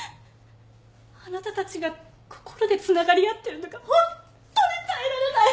あなたたちが心でつながり合ってるのがホンットに耐えられない。